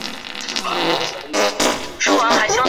南天宫经莆田湄洲妈祖庙董事会聘为台湾连络处。